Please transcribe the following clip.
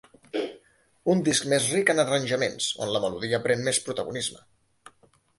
Un disc més ric en arranjaments, on la melodia pren més protagonisme.